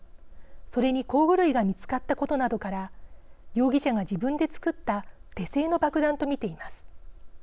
それに工具類が見つかったことなどから容疑者が自分で作った手製の爆弾と見ています。